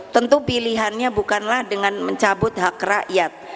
tentu pilihannya bukanlah dengan mencabut hak rakyat